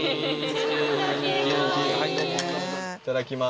いただきます。